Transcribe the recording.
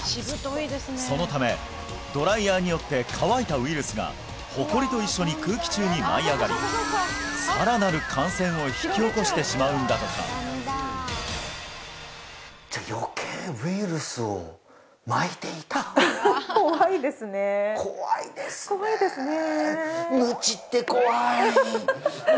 そのためドライヤーによって乾いたウイルスがほこりと一緒に空気中に舞い上がりさらなる感染を引き起こしてしまうんだとかじゃあ余計ウイルスをまいていた怖いですね怖いですね怖いですね